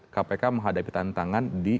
kpk menghadapi tantangan di